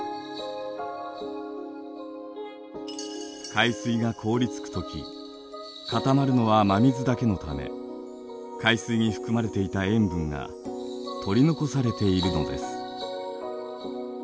海水が凍りつく時固まるのは真水だけのため海水に含まれていた塩分が取り残されているのです。